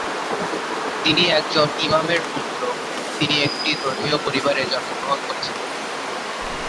তিনি একজন ইমামের পুত্র, তিনি একটি ধর্মীয় পরিবারে জন্মগ্রহণ করেছিলেন।